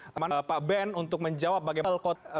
teman bapak ben untuk menjawab bagaimana